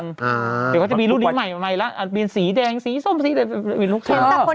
เดี๋ยวเขาจะมีรูปนี้ใหม่แล้วมีสีแดงสีส้มมีลูกเซลล์